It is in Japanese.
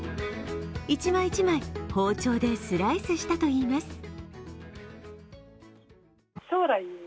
一枚一枚包丁でスライスしたといいます。